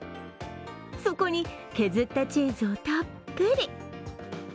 そこに削ったチーズをたっぷり。